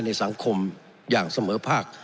ในสังคมอย่างเสมอภาค